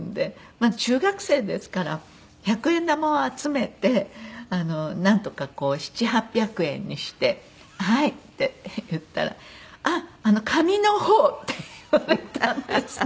まだ中学生ですから１００円玉を集めてなんとかこう７００８００円にして「はい」って言ったら「あっ紙の方」って言われたんですね。